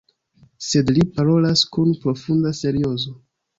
Sed li parolas kun profunda seriozo.